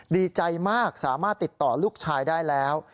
ดีใจมากสามารถติดต่อลูกชายได้แล้ว